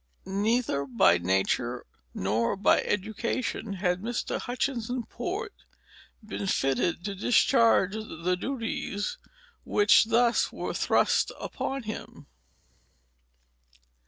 Neither by nature nor by education had Mr. Hutchinson Port been fitted to discharge the duties which thus were thrust upon him.